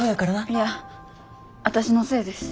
いや私のせいです。